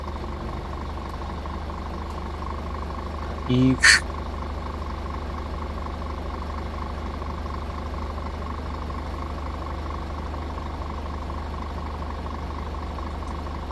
G̲a.éexʼ!